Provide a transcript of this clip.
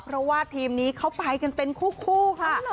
เพราะว่าทีมนี้เขาไปกันเป็นคู่ค่ะ